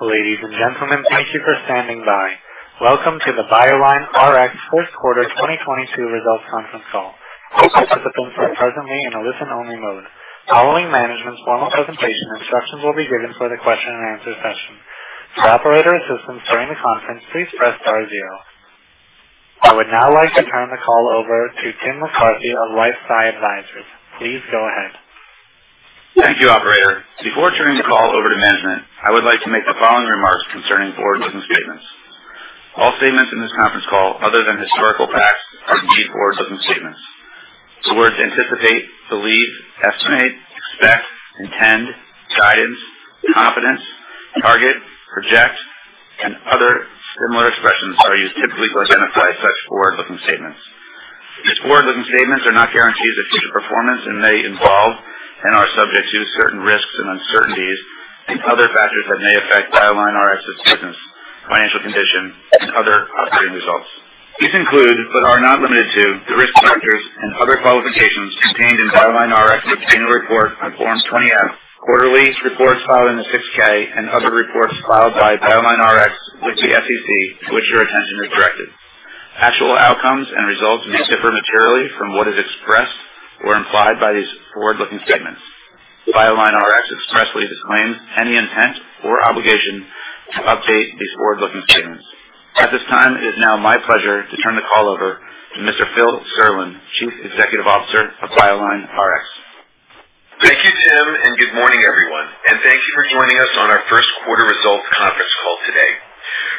Ladies and gentlemen, thank you for standing by. Welcome to the BioLineRx first quarter 2022 results conference call. All participants are presently in a listen-only mode. Following management's formal presentation, instructions will be given for the question and answer session. For operator assistance during the conference, please press star zero. I would now like to turn the call over to Tim McCarthy of LifeSci Advisors. Please go ahead. Thank you, Operator. Before turning the call over to management, I would like to make the following remarks concerning forward-looking statements. All statements in this conference call, other than historical facts, are deemed forward-looking statements. The words anticipate, believe, estimate, expect, intend, guidance, confidence, target, project, and other similar expressions are used typically to identify such forward-looking statements. These forward-looking statements are not guarantees of future performance and may involve and are subject to certain risks and uncertainties and other factors that may affect BioLineRx's business, financial condition, and other operating results. These include, but are not limited to, the risk factors and other qualifications contained in BioLineRx's annual report on Form 20-F, quarterly reports filed in the 6-K and other reports filed by BioLineRx with the SEC, to which your attention is directed. Actual outcomes and results may differ materially from what is expressed or implied by these forward-looking statements. BioLineRx expressly disclaims any intent or obligation to update these forward-looking statements. At this time, it is now my pleasure to turn the call over to Mr. Phil Serlin, Chief Executive Officer of BioLineRx. Thank you, Tim, and good morning, everyone. Thank you for joining us on our first quarter results conference call today.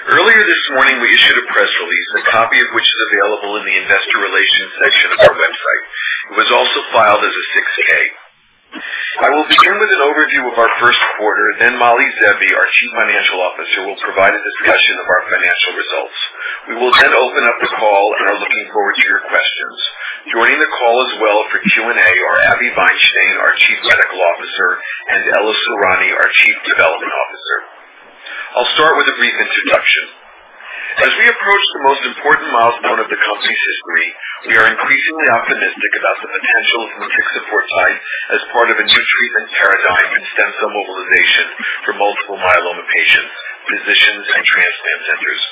Earlier this morning, we issued a press release, a copy of which is available in the investor relations section of our website. It was also filed as a 6-K. I will begin with an overview of our first quarter, then Mali Zeevi, our Chief Financial Officer, will provide a discussion of our financial results. We will then open up the call and are looking forward to your questions. Joining the call as well for Q&A are Abi Vainstein-Haras, our Chief Medical Officer, and Ella Sorani, our Chief Development Officer. I'll start with a brief introduction. As we approach the most important milestone of the company's history, we are increasingly optimistic about the potential of motixafortide as part of a new treatment paradigm in stem cell mobilization for multiple myeloma patients, physicians, and transplant centers.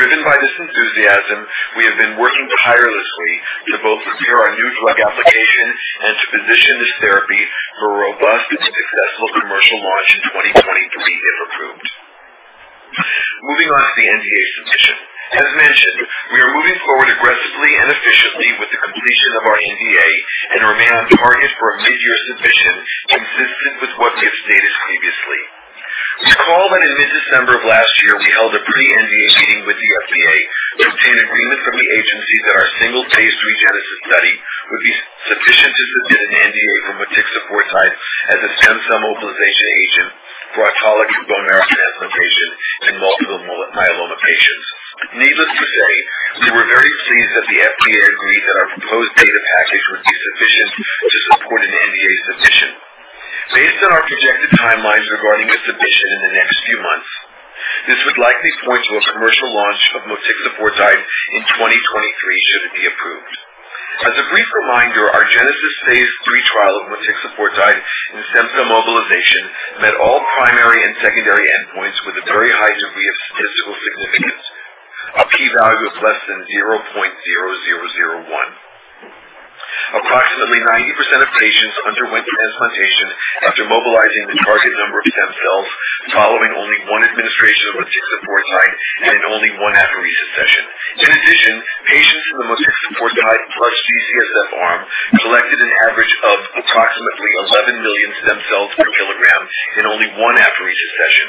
Driven by this enthusiasm, we have been working tirelessly to both prepare our new drug application and to position this therapy for a robust and successful commercial launch in 2023, if approved. Moving on to the NDA submission. As mentioned, we are moving forward aggressively and efficiently with the completion of our NDA and remain on target for a mid-year submission consistent with what we have stated previously. Recall that in mid-December of last year, we held a pre-NDA meeting with the FDA to obtain agreement from the agency that our single phase III GENESIS study would be sufficient to submit an NDA for motixafortide as a stem cell mobilization agent for autologous bone marrow transplantation in multiple myeloma patients. Needless to say, we were very pleased that the FDA agreed that our proposed data package would be sufficient to support an NDA submission. Based on our projected timelines regarding a submission in the next few months, this would likely point to a commercial launch of motixafortide in 2023, should it be approved. As a brief reminder, our GENESIS phase III trial of motixafortide in stem cell mobilization met all primary and secondary endpoints with a very high degree of statistical significance. A P-value of less than 0.0001. Approximately 90% of patients underwent transplantation after mobilizing the target number of stem cells following only 1 administration of motixafortide and in only 1 apheresis session. In addition, patients in the motixafortide plus GCSF arm collected an average of approximately 11 million stem cells per kilogram in only 1 apheresis session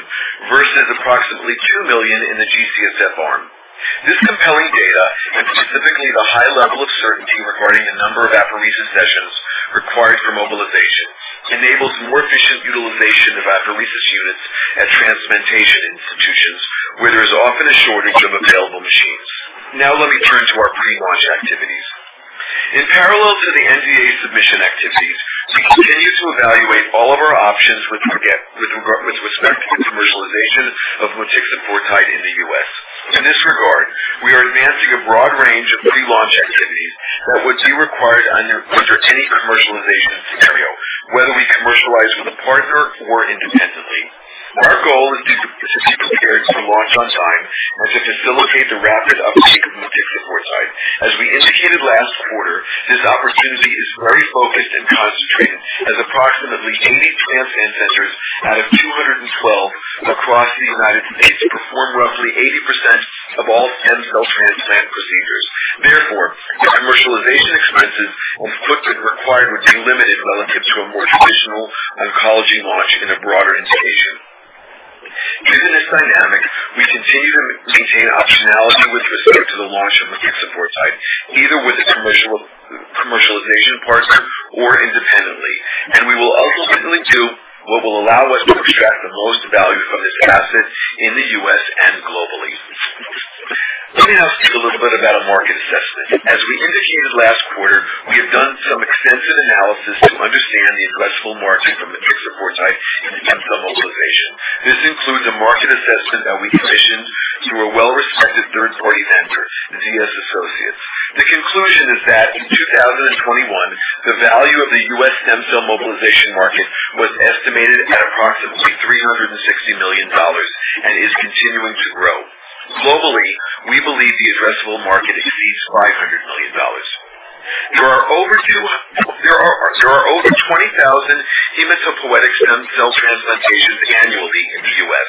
versus approximately 2 million in the GCSF arm. This compelling data, and specifically the high level of certainty regarding the number of apheresis sessions required for mobilization, enables more efficient utilization of apheresis units at transplantation institutions where there is often a shortage of available machines. Now let me turn to our pre-launch activities. In parallel to the NDA submission activities, we continue to evaluate all of our options with respect to the commercialization of motixafortide in the U.S. In this regard, we are advancing a broad range of pre-launch activities that would be required under any commercialization scenario, whether we commercialize with a partner or independently. Our goal is to be prepared to launch on time and to facilitate the rapid uptake of motixafortide. As we indicated last quarter, this opportunity is very focused and concentrated, as approximately 80 transplant centers out of 212 across the United States perform roughly 80% of all stem cell transplant procedures. Therefore, the commercialization expenses and footprint required would be limited relative to a more traditional oncology launch in a broader indication. Given this dynamic, we continue to maintain optionality with respect to the launch of motixafortide, either with a commercialization partner or independently. We will ultimately do what will allow us to extract the most value from this asset in the US and globally. Let me now speak a little bit about a market assessment. As we indicated last quarter, we have done some extensive analysis to understand the addressable market for motixafortide in stem cell mobilization. This includes a market assessment that we commissioned to a well-respected third-party vendor, ZS Associates. The conclusion is that in 2021, the value of the US stem cell mobilization market was estimated at approximately $360 million and is continuing to grow. Globally, we believe the addressable market exceeds $500 million. There are over 20,000 hematopoietic stem cell transplantations annually in the U.S.,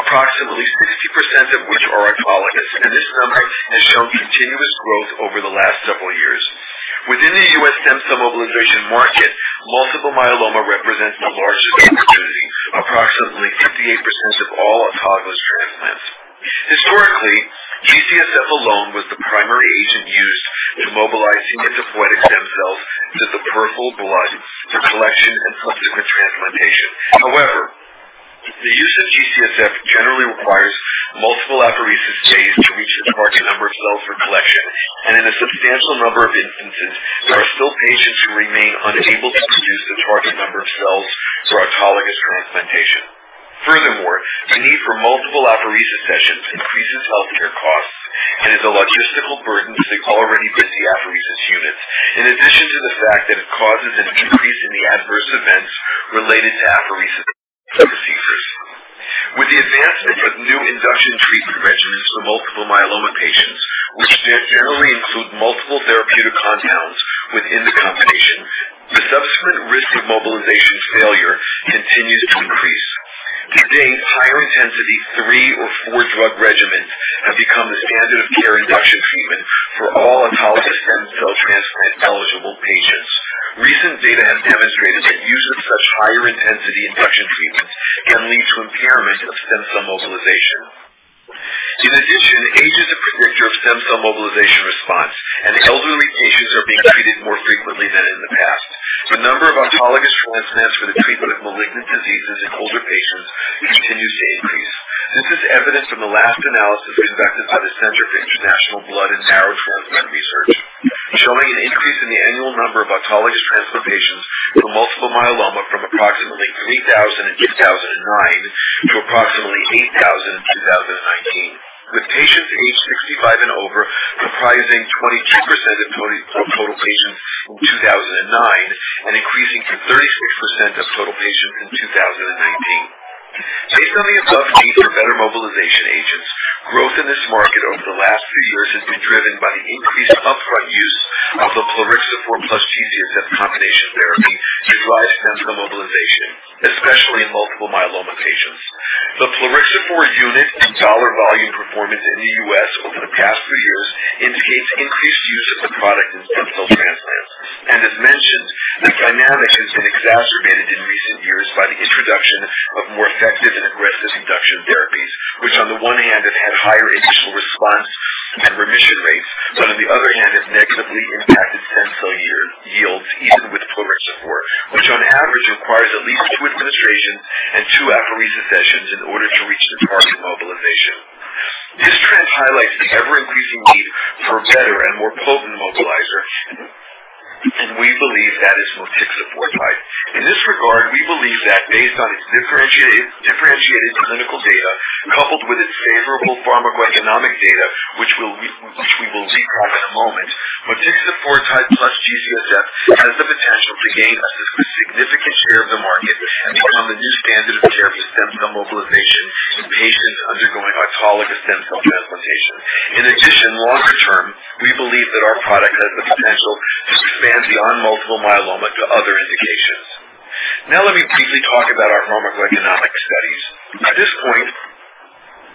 approximately 50% of which are autologous, and this number has shown continuous growth over the last several years. Within the U.S. stem cell mobilization market, multiple myeloma represents the largest opportunity, approximately 58% of all autologous transplants. Historically, G-CSF alone was the primary agent used to mobilize hematopoietic stem cells into the peripheral blood for collection and subsequent transplantation. However, the use of G-CSF generally requires multiple apheresis days to reach the target number of cells for collection, and in a substantial number of instances, there are still patients who remain unable to produce the target number of cells for autologous transplantation. Furthermore, the need for multiple apheresis sessions increases healthcare costs and is a logistical burden to the already busy apheresis unit. In addition to the fact that it causes an increase in the adverse events related to apheresis procedures. With the advancement of new induction treatment regimens for multiple myeloma patients, which generally include multiple therapeutic compounds within the combination, the subsequent risk of mobilization failure continues to increase. Today, higher intensity three or four drug regimens have become the standard of care induction treatment for all autologous stem cell transplant-eligible patients. Recent data have demonstrated that use of such higher intensity induction treatments can lead to impairment of stem cell mobilization. In addition, age is a predictor of stem cell mobilization response, and elderly patients are being treated more frequently than in the past. The number of autologous transplants for the treatment of malignant diseases in older patients continues to increase. This is evident from the last analysis conducted by the Center for International Blood and Marrow Transplant Research, showing an increase in the annual number of autologous transplant patients with multiple myeloma from approximately 3,000 in 2009 to approximately 8,000 in 2019. Patients aged 65 and over comprising 22% of total patients in 2009 and increasing to 36% of total patients in 2019. Based on the above need for better mobilization agents, growth in this market over the last few years has been driven by the increased upfront use of the plerixafor plus G-CSF combination therapy to drive stem cell mobilization, especially in multiple myeloma patients. The plerixafor unit and dollar volume performance in the U.S. over the past few years indicates increased use of the product in stem cell transplants. As mentioned, this dynamic has been exacerbated in recent years by the introduction of more effective and aggressive induction therapies, which on the one hand have had higher initial response and remission rates, but on the other hand have negatively impacted stem cell yields, even with plerixafor. Which on average requires at least two administrations and two apheresis sessions in order to reach the target mobilization. This trend highlights the ever-increasing need for a better and more potent mobilizer, and we believe that is motixafortide. In this regard, we believe that based on its differentiated clinical data, coupled with its favorable pharmacoeconomic data, which we will recap in a moment, motixafortide plus G-CSF has the potential to gain a significant share of the market and become a new standard of care for stem cell mobilization in patients undergoing autologous stem cell transplantation. In addition, longer term, we believe that our product has the potential to expand beyond multiple myeloma to other indications. Now let me briefly talk about our pharmacoeconomic studies. At this point,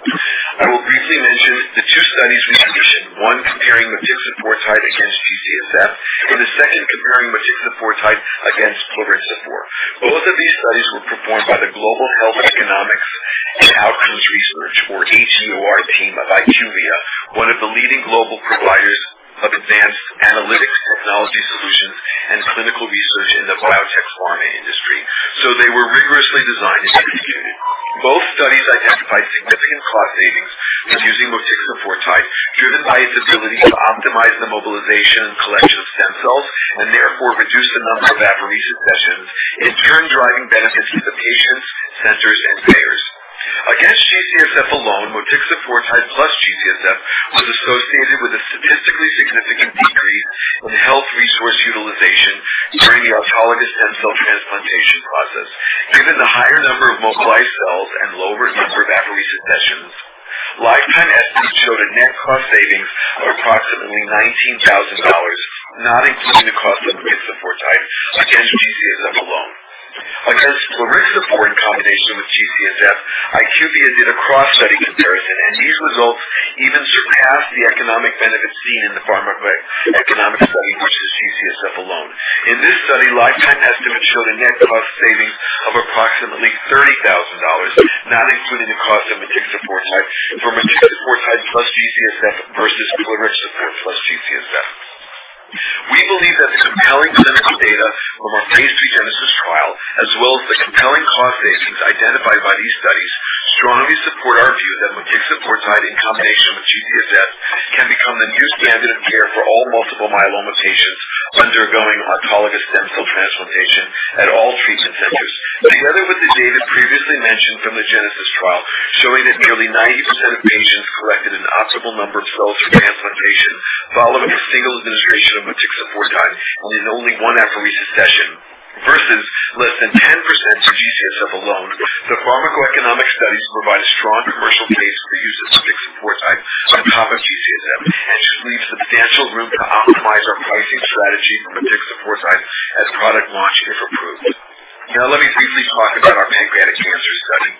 I will briefly mention the two studies we commissioned, one comparing motixafortide against G-CSF, and the second comparing motixafortide against plerixafor. Both of these studies were performed by the Global Health Economics and Outcomes Research, or HEOR team of IQVIA, one of the leading global providers of advanced analytics technology solutions and clinical research in the biotech pharma industry. They were rigorously designed and executed. Both studies identified significant cost savings when using motixafortide, driven by its ability to optimize the mobilization and collection of stem cells and therefore reduce the number of apheresis sessions, in turn driving benefits to the patients, centers and payers. Against G-CSF alone, motixafortide plus G-CSF was associated with a statistically significant decrease in health resource utilization during the autologous stem cell transplantation process. Given the higher number of mobilized cells and lower number of apheresis sessions, lifetime estimates showed a net cost savings of approximately $19 thousand, not including the cost of motixafortide against G-CSF alone. Against plerixafor in combination with G-CSF, IQVIA did a cross-study comparison, and these results even surpassed the economic benefits seen in the pharmacoeconomic study versus G-CSF alone. In this study, lifetime estimates showed a net cost savings of approximately $30 thousand, not including the cost of motixafortide plus G-CSF versus plerixafor plus G-CSF. We believe that the compelling clinical data from our phase II GENESIS trial, as well as the compelling cost savings identified by these studies, strongly support our view that motixafortide in combination can become the new standard of care for all multiple myeloma patients undergoing autologous stem cell transplantation at all treatment centers. Together with the data previously mentioned from the GENESIS trial, showing that nearly 90% of patients collected an optimal number of cells for transplantation following a single administration of motixafortide in only one apheresis session, versus less than 10% of GCSF alone. The pharmacoeconomic studies provide a strong commercial case for use of motixafortide on top of GCSF and leave substantial room to optimize our pricing strategy for motixafortide as product launch, if approved. Now, let me briefly talk about our pancreatic cancer study.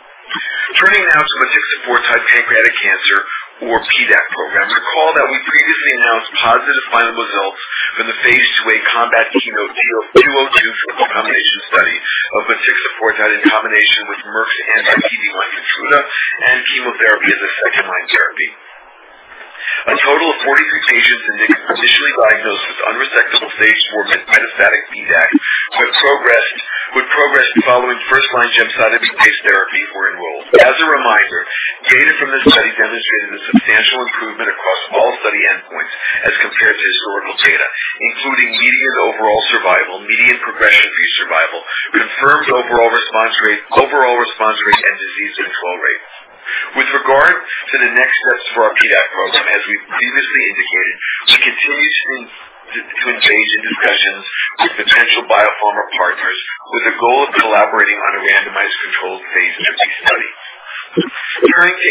Turning now to motixafortide pancreatic cancer or PDAC program. Recall that we previously announced positive final results from the phase II-A COMBAT/KEYNOTE-202 clinical combination study of motixafortide in combination with Merck's anti-PD-1 KEYTRUDA and chemotherapy as a second-line therapy. A total of 43 patients initially diagnosed with un-resectable stage four metastatic PDAC with progression following first-line gemcitabine-based therapy were enrolled. As a reminder, data from this study demonstrated a substantial improvement across all study endpoints as compared to historical data, including median overall survival, median progression-free survival, confirmed overall response rate, overall response rate, and disease control rate. With regard to the next steps for our PDAC program, as we previously indicated, we continue to engage in discussions with potential biopharma partners with the goal of collaborating on a randomized controlled phase III study. Turning to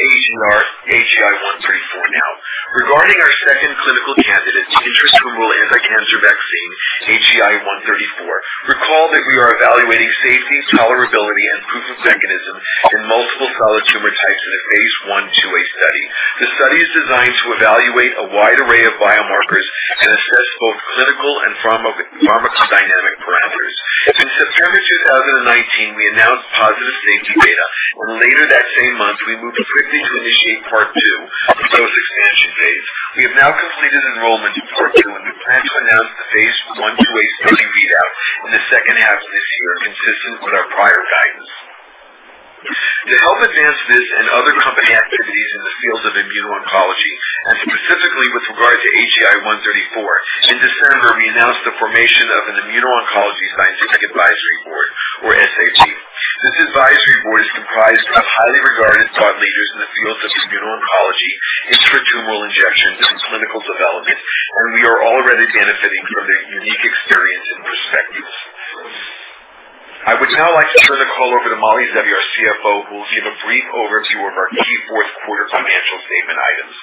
AGI-134 now. Regarding our second clinical candidate, the intratumoral anticancer vaccine, AGI-134. Recall that we are evaluating safety, tolerability, and proof of mechanism in multiple solid tumor types in a phase 1/2a study. The study is designed to evaluate a wide array of biomarkers and assess both clinical and pharmacodynamic parameters. In September 2019, we announced positive safety data, and later that same month, we moved quickly to initiate part 2 of the dose expansion phase. We have now completed enrollment in part 2, and we plan to announce the phase I/II-a study readout in the second half of this year, consistent with our prior guidance. To help advance this and other company activities in the field of immuno-oncology, and specifically with regard to AGI-134, in December, we announced the formation of an immuno-oncology scientific advisory board, or SAT. This advisory board is comprised of highly regarded thought leaders in the fields of immuno-oncology, intratumoral injections, and clinical development, and we are already benefiting from their unique experience and perspectives. I would now like to turn the call over to Mali Zeevi, our CFO, who will give a brief overview of our key fourth quarter financial statement items.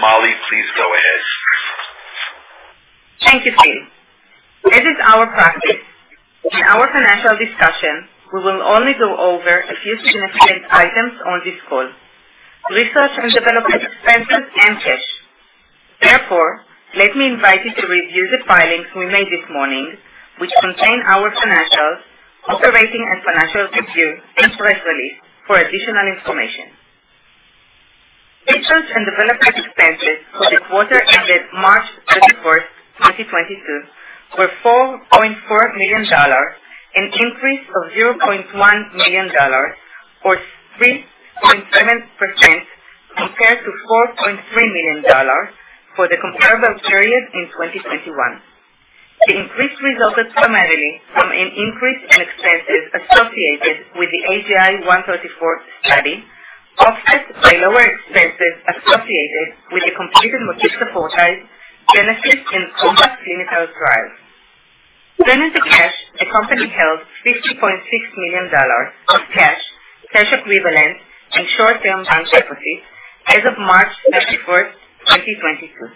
Mali, please go ahead. Thank you, Tim. It is our practice. In our financial discussion, we will only go over a few significant items on this call, research and development expenses and cash. Therefore, let me invite you to review the filings we made this morning, which contain our financials, operating and financial review, and press release for additional information. Research and development expenses for the quarter ended March 31, 2022 were $4.4 million, an increase of $0.1 million or 3.7% compared to $4.3 million for the comparable period in 2021. The increase resulted primarily from an increase in expenses associated with the AGI-134 study, offset by lower expenses associated with the completed motixafortide GENESIS and COMBAT clinical trials. Turning to cash, the company held $50.6 million of cash equivalents, and short-term bank deposits as of March 31, 2022.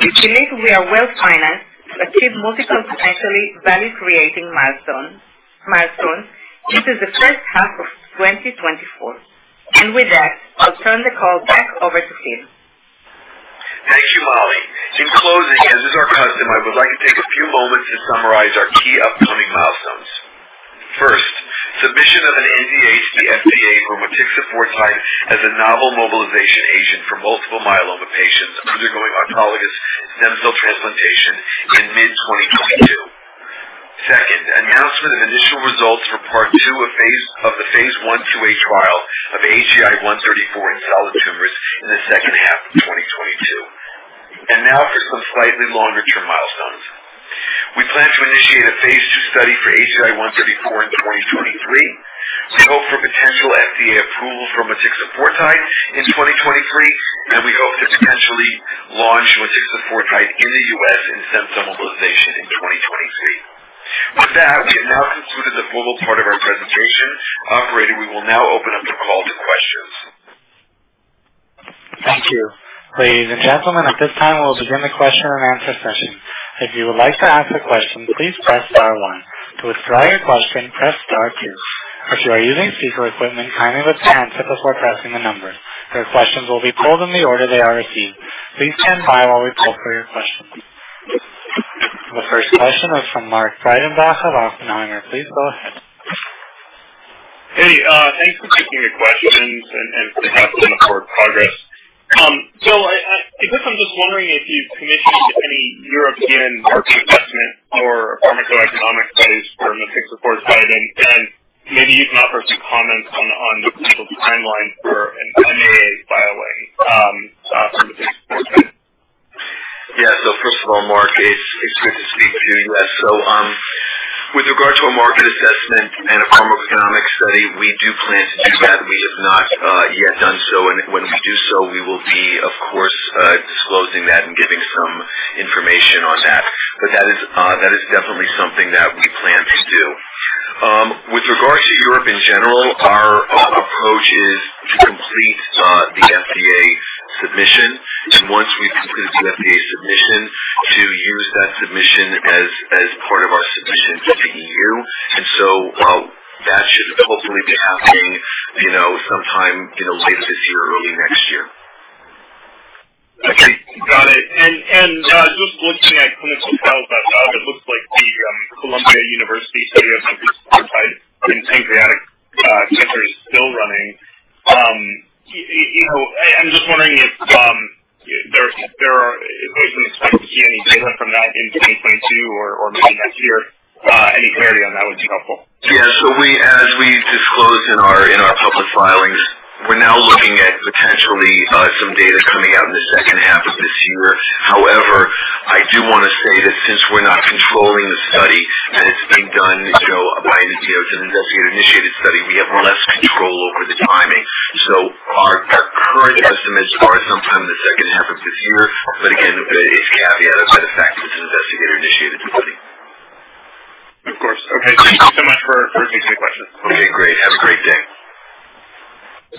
We believe we are well-financed to achieve multiple potentially value-creating milestone, milestones into the first half of 2024. With that, I'll turn the call back over to Tim. Thank you, Mali. In closing, as is our custom, I would like to take a few moments to summarize our key upcoming milestones. First, submission of an NDA to the FDA for motixafortide as a novel mobilization agent for multiple myeloma patients undergoing autologous stem cell transplantation in mid-2022. Second, announcement of initial results for part 2 of the phase I/II-a trial of AGI-134 in solid tumors in the second half of 2022. Now for some slightly longer-term milestones. We plan to initiate a phase 2 study for AGI-134 in 2023. We hope for potential FDA approval for motixafortide in 2023, and we hope to potentially launch motixafortide in the US in stem cell mobilization in 2023. With that, we have now concluded the global part of our presentation. Operator, we will now open up the call to questions. The first question is from Mark Breidenbach of Oppenheimer. Please go ahead. Hey, thanks for taking the questions and catching up on the fourth progress. I guess I'm just wondering if you've commissioned any European market assessment or pharmacoeconomic studies for motixafortide in on the potential timeline for an NDA filing. Yeah. First of all, Mark, it's good to speak to you. With regard to a market assessment and a pharmacoeconomic study, we do plan to do that. We have not yet done so. When we do so, we will be, of course, disclosing that and giving some information on that. That is definitely something that we plan to do. With regards to Europe in general, our approach is to complete the FDA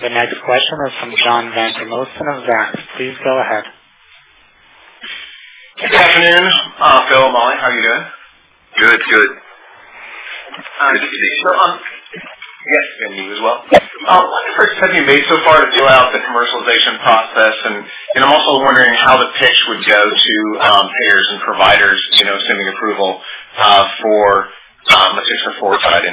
do want to say that since we're not controlling the study and it's being done, you know, it's an investigator-initiated study, we have less control over the timing. Our current estimates are sometime in the second half of this year. Again, it is caveated by the fact that it's an investigator-initiated study. Of course. Okay. Great. Thank you so much for taking the question. Okay, great. Have a great day. The next question is from John Vandermosten of Zacks. Please go ahead. Good afternoon. Phil, Mali, how are you doing? Good, good. Can you hear me as well? Yes. What progress have you made so far to roll out the commercialization process? I'm also wondering how the pitch would go to payers and providers, assuming approval for a treatment fortide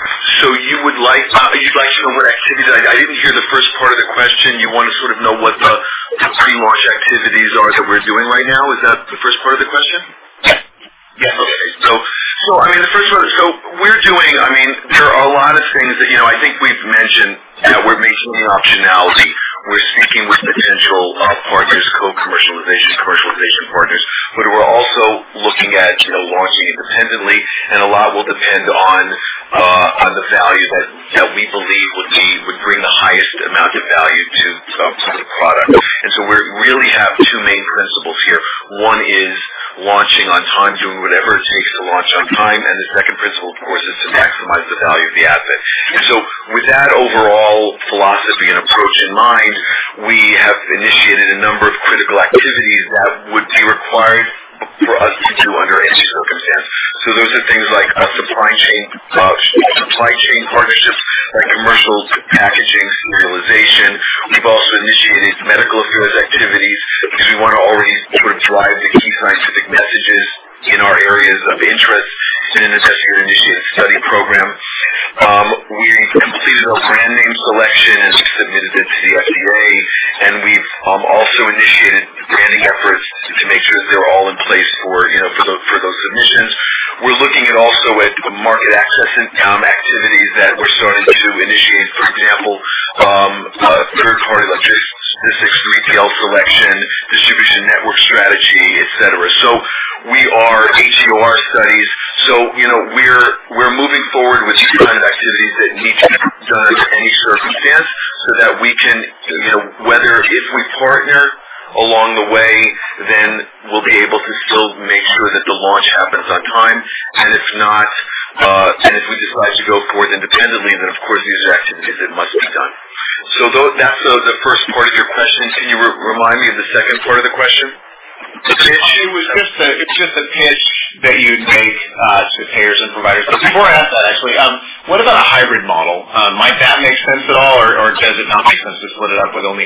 in SCM. You would like, you'd like to know what activities. I didn't hear the first part of the question. You want to sort of know what the pre-launch activities are that we're doing right now. Is that the first part of the question? Yes. Yeah. Okay. I mean, the first one, so we're doing. I mean, there are a lot of things that, you know, I think we've mentioned that we're maintaining optionality. We're speaking with potential partners, co-commercialization, commercialization partners. We're also looking at, you know, launching independently. A lot will depend on the value that we believe would bring the highest amount of value to the product. We really have two main principles here. One is launching on time, doing whatever it takes to launch on time. The second principle, of course, is to maximize the value of the asset. With that overall philosophy and approach in mind, we have initiated a number of critical activities that would be required for us to do under any circumstance. Those are things like supply chain partnerships and commercial packaging serialization. We've also initiated medical affairs activities because we want to already sort of drive the key scientific messages in our areas of interest in an investigator-initiated study program. We completed our brand name selection and submitted it to the FDA, and we've also initiated branding efforts to make sure that they're all in place for, you know, for those submissions. We're looking also at market access and activities that we're starting to initiate. For example, a third party logistics, retail selection, distribution, network strategy, etc. We are HEOR studies. You know, we're moving forward with these kind of activities that need to be done under any circumstance so that we can, you know, whether if we partner along the way, then we'll be able to still make sure that the launch happens on time. If not, and if we decide to go forward independently, then of course, these are activities that must be done. That's the first part of your question. Can you remind me of the second part of the question? It's just the pitch that you'd make to payers and providers. Before I ask that, actually, what about a hybrid model? Might that make sense at all, or does it not make sense to split it up with only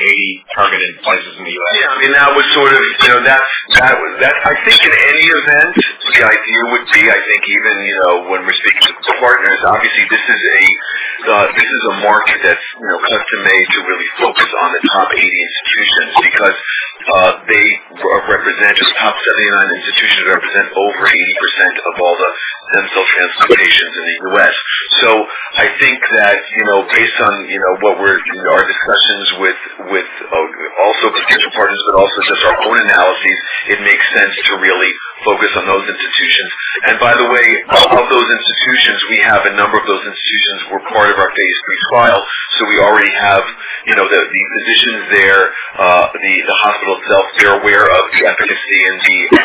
80 targeted places in the US? I mean, that would sort of, you know, I think in any event, the idea would be, I think even, you know, when we're speaking to partners, obviously this is a market that's, you know, custom made to really focus on the top 80 institutions because the top 79 institutions represent over 80% of all the stem cell transplantations in the U.S. I think that, you know, based on, you know, our discussions with potential partners, but also just our own analyses, it makes sense to really focus on those institutions. By the way, of those institutions, we have a number of those institutions who are part of our phase III trial. We already have, you know, the physicians there, the hospital itself, they're aware of the efficacy and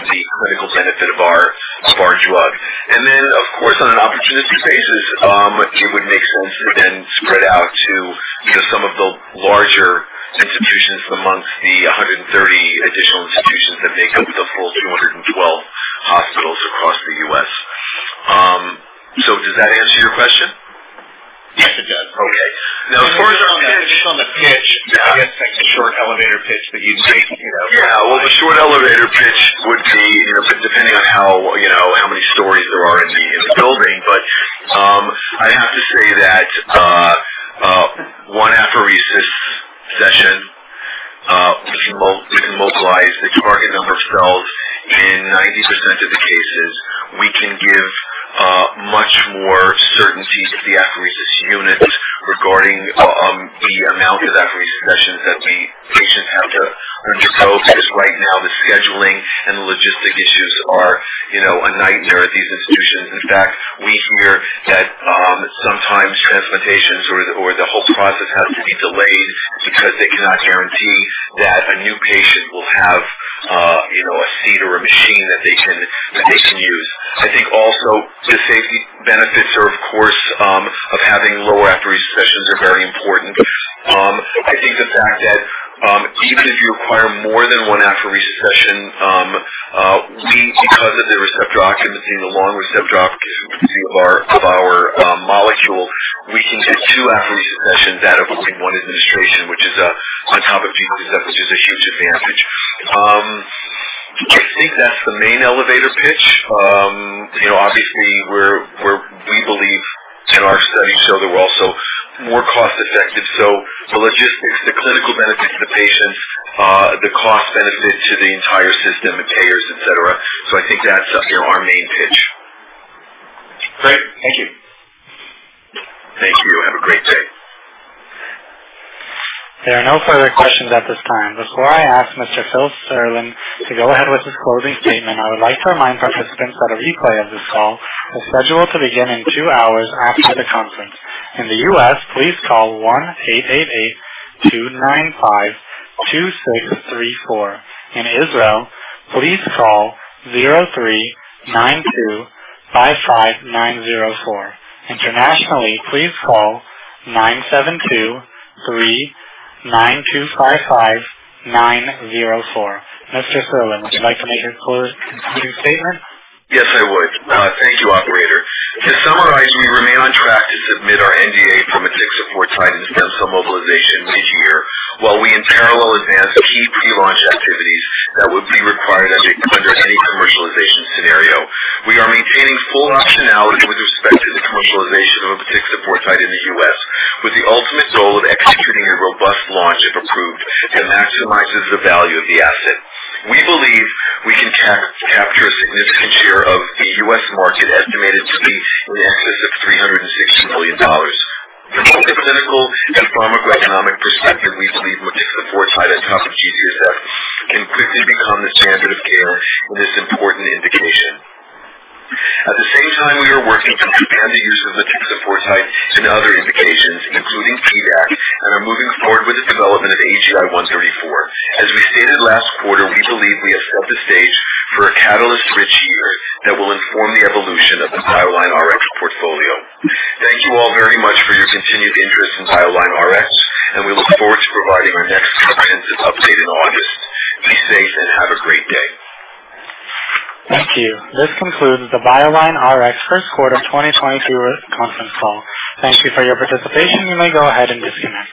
the clinical benefit of our drug. Of course, on an opportunistic basis, it would make sense to then spread out to, you know, some of the larger institutions amongst the 130 additional institutions that make up the full 212 hospitals across the US. Does that answer your question? Yes, it does. Okay. Now Just on the pitch. Yeah. I guess like a short elevator pitch that you'd make, you know. Yeah. Well, the short elevator pitch would be, you know, depending on how, you know, how many stories there are in the building. I'd have to say that the cases we can give much more certainty to the apheresis units regarding the amount of apheresis sessions that patients have to undergo. Because right now, the scheduling and the logistic issues are, you know, a nightmare at these institutions. In fact, we hear that sometimes transplantations or the whole process has to be delayed because they cannot guarantee that a new patient will have, you know, a seat or a machine that they can use. I think also the safety benefits are of course of having low apheresis sessions are very important. I think the fact that, even if you require more than one apheresis session, we, because of the receptor occupancy and the long receptor occupancy of our molecule, we can get two apheresis sessions out of only one administration, which is on top of G-CSF, which is a huge advantage. I think that's the main elevator pitch. You know, obviously we believe and our studies show that we're also more cost effective. The logistics, the clinical benefits to the patient, the cost benefit to the entire system, the payers, et cetera. I think that's, you know, our main pitch. Great. Thank you. Thank you. Have a great day. There are no further questions at this time. Before I ask Mr. Phil Serlin to go ahead with his closing statement, I would like to remind participants that a replay of this call is scheduled to begin in 2 hours after the conference. In the US, please call 1-888-263-434. In Israel, please call 03-925-5904. Internationally, please call 972-3-925-5904. Mr. Serlin, would you like to make your closing statement? Yes, I would. Thank you, Operator. To summarize, we remain on track to submit our NDA for motixafortide and stem cell mobilization mid-year. While we in parallel advance key pre-launch activities that would be required under any commercialization scenario. We are maintaining full optionality with respect to the commercialization of motixafortide in the U.S., with the ultimate goal of executing a robust launch, if approved, that maximizes the value of the asset. We believe we can capture a significant share of the U.S. market, estimated to be in excess of $360 million. From both a clinical and pharmacoeconomic perspective, we believe motixafortide on top of G-CSF can quickly become the standard of care in this important indication. At the same time, we are working to expand the use of motixafortide to other indications, including PDAC, and are moving forward with the development of AGI-134. As we stated last quarter, we believe we have set the stage for a catalyst-rich year that will inform the evolution of the BioLineRx portfolio. Thank you all very much for your continued interest in BioLineRx and we look forward to providing our next comprehensive update in August. Be safe and have a great day. Thank you. This concludes the BioLineRx first quarter 2022 conference call. Thank you for your participation. You may go ahead and disconnect.